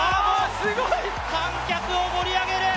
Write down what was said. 観客を盛り上げる！